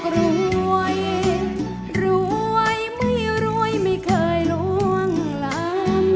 รวยรวยไม่รวยไม่เคยล่วงลาม